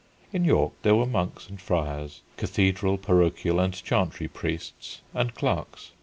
In York, there were monks and friars, cathedral, parochial, and chantry priests, and clerks.